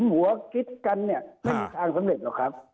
ไม่มีทางสำเร็จหรอกครับ